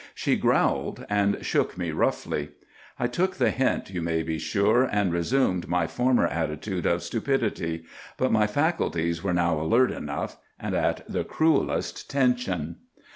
She growled and shook me roughly. I took the hint, you may be sure, and resumed my former attitude of stupidity; but my faculties were now alert enough, and at the cruelest tension.